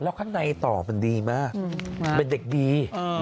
แล้วข้างในต่อมันดีมากเป็นเด็กดี